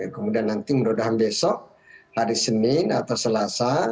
kemudian nanti mudah mudahan besok hari senin atau selasa